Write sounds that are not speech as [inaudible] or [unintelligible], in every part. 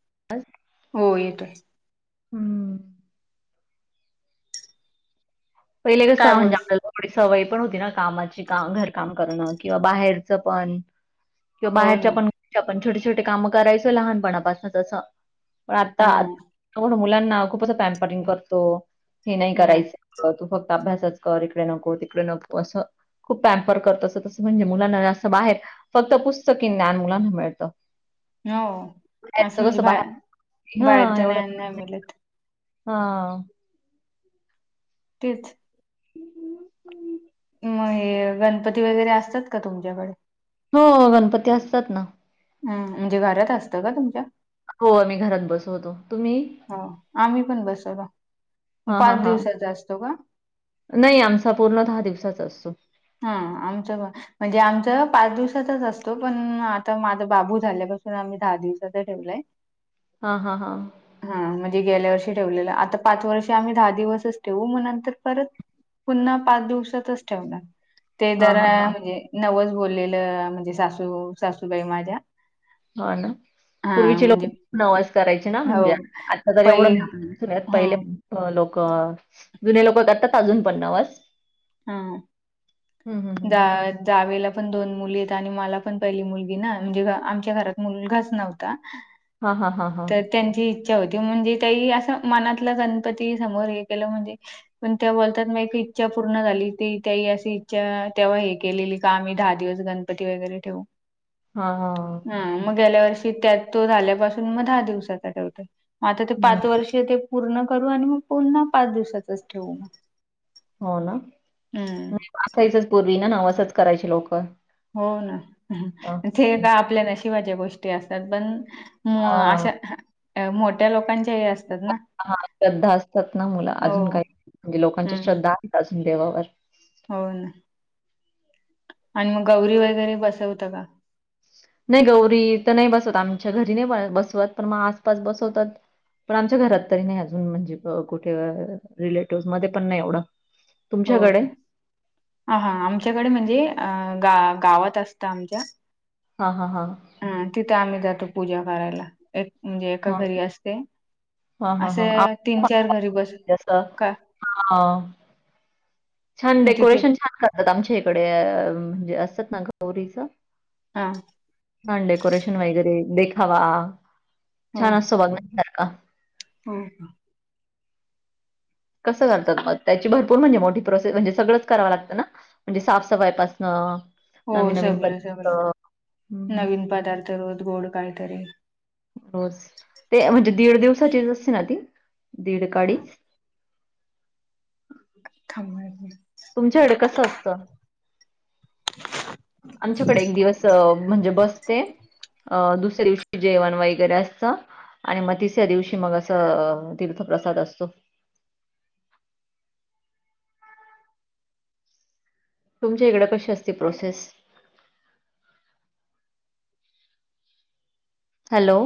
[unintelligible] हो. येतोय. हम्म. पहिले कस काय बोल [unintelligible] थोडी सवय पण होती ना कामाची. का घरकाम करणं किंवा बाहेरचं पण. किंवा हो ना बाहेरच्या पण पण छोटे छोटे काम करायचो लहानपणापासन तसं. पण आत्ता हम्म तरुण मुलांना खूपच पॅम्परिंग करतो. हे नाही हम्म करायचं- तू फक्त अभ्यासच कर. इकडे नको. तिकडे नको असं. खूप पॅम्पर करतो. असं तसं म्हणजे मुलाना जास्त बाहेर- फक्त पुस्तकी ज्ञान मुलांना मिळतं. हो. असं बाहेरचं म्हणजे कसं बा बाहेर बाहेरच ज्ञान नाही मिळत. हां. तेच. [inaudible] म हे गणपती वगैरे असतात का तुमच्याकडे? हो. गणपती असतात ना. हं. म्हणजे घरात असता का तुमच्या? हो. आम्ही घरात बसवतो. तुम्ही? हो. आम्ही पण बसवतो. म हा हा पाच हा दिवसाचा असतो का? नाही आमचा पूर्ण दहा दिवसाचा असतो. हा आमच्या म्हणजे आमचं पाच दिवसाचाच असतो पण आता माझा बाबू झाल्यापासून आम्ही दहा दिवसाचा ठेवलाय. हा हा हा हा म्हणजे गेल्या वर्षी ठेवलेला आता पाच वर्षी आम्ही दहा दिवसच ठेवू म नंतर परत पुन्हा पाच दिवसाचाच ठेवणार ते हां, जरा हां, हां. म्हणजे नवस बोललेलं म्हणजे सासू सासूबाई माझ्या हा ना हा पूर्वीचे लोक म्हणजे नवस करायचे ना हो म्हणजे आत्ता तर पै एवढं सगळ्यात पहिले हम्म अ लोकं जुने लोकं करतात अजून पण नवस हा हं, हं, हं. जा जावेला पण दोन मुली येत आणि मला पण पहिली मुलगी ना म्हणजे आमच्या घरात मुलगाच नव्हता. हा हा हा हा तर त्यांची इच्छा होती म्हणजे त्याई असं मनातला गणपती समोर हे केलं म्हणजे पण त्या बोलतात मग एक इच्छा पूर्ण झाली ती त्याही अशी इच्छा तेव्हा हे केलेली आम्ही दहा दिवस गणपती वगैरे ठेवू हा हा हा ह मग गेल्या वर्षी त्यात तो झाल्यापासून मग दहा दिवसाचा ठेवतो मग आता ते हं. पाच वर्ष ते पूर्ण करू आणि मग पुन्हा पाच दिवसाचाच ठेवू म हो ना असायचच पूर्वी ना नवसच करायचे लोकं हो ना हां. ते का आपल्या नशिबाच्या गोष्टी असतात पण मो हां, अशा मोठ्या लोकांचे हे अस हा श्रद्धा असतात ना मुलं हो अजून काही म्हणजे लोकांच्या हम्म श्रद्धा [unintelligible] अजून देवावर हो ना आणि मग गौरी वगैरे बसवता का? नई गौरी इथं नई बसवत आमच्या घरी नई बसवत पण मग आसपास बसवतात पण आमच्या घरात तरी नई अजून म्हणजे अ कुठे रिलेटिव्ह मध्ये पण नाही एवढं हो तुमच्याकडे? आ हा आमच्याकडे म्हणजे अ गा-गावात असतं आमच्या हा हा हा हा तिथं आम्ही जातो पूजा करायला एक म्हणजे एका हां, घरी असते हां, हां, हां. असे तीन आमच्या चार घरी बस असं का हां. छान मग तिथे डेकोरेशन छान करतात आमच्या इकडे अं म्हणजे असतात ना गौरीचं हा छान डेकोरेशन वगैरे देखावा हो छान असतो बघण्यासारखा हो कसं करतात मग त्याची भरपूर म्हणजे मोठी प्रोसेस म्हणजे सगळंच करावं लागतं ना म्हणजे साफसफाईपासनं हो नवीन-नवीन सगळं पदार्थ सगळं हं, नवीन पदार्थ रोज गोड काहीतरी रोज ते म्हणजे दीड दिवसाचीच असते ना ती दीड का अडीच? [inaudible] [unintelligible] तुमच्याकडे कसं असतं? [inaudible] आमच्याकडे एक दिवस म्हणजे बसते अ दुसऱ्या दिवशी जेवण वगैरे असतं. आणि म तिसऱ्या दिवशी मग असं तीर्थप्रसाद असतो. तुमच्या इकडं कशी असते प्रोसेस? हॅलो!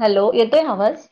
हॅलो! येतोय ना आवाज?